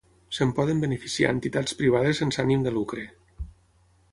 Se'n poden beneficiar entitats privades sense ànim de lucre.